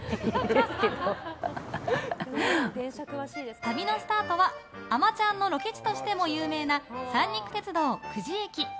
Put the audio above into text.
旅のスタートは「あまちゃん」のロケ地としても有名な三陸鉄道、久慈駅。